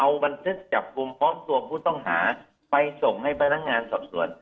เอาบันทึกจับกลุ่มพร้อมตัวผู้ต้องหาไปส่งให้พนักงานสอบสวน